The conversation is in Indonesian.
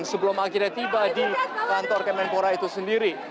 sebelum akhirnya tiba di kantor kemenpora itu sendiri